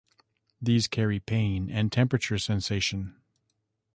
These carry pain and temperature sensation.